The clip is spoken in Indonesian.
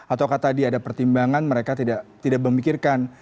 atau tadi ada pertimbangan mereka tidak memikirkan